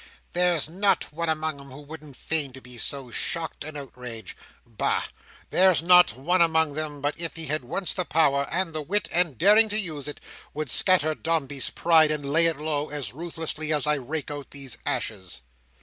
"There's not one among them, who wouldn't feign to be so shocked and outraged—! Bah! There's not one among them, but if he had at once the power, and the wit and daring to use it, would scatter Dombey's pride and lay it low, as ruthlessly as I rake out these ashes."